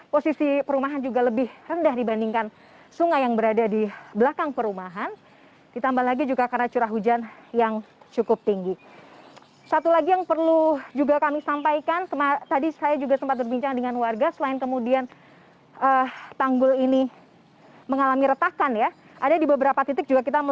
pondok gede permai jatiasi pada minggu pagi